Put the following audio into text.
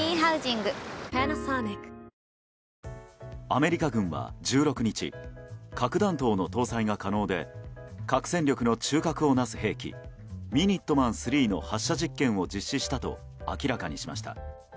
アメリカ軍は１６日核弾頭の搭載が可能で核戦力の中核をなす兵器ミニットマン３の発射実験を実施したと明らかにしました。